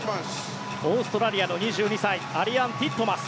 オーストラリアの２２歳アリアン・ティットマス。